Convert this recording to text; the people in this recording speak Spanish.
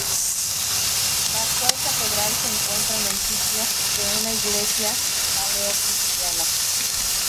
La actual catedral se encuentra en el sitio de una iglesia paleo-cristiana.